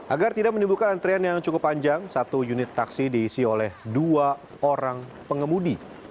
agar tidak menimbulkan antrian yang cukup panjang satu unit taksi diisi oleh dua orang pengemudi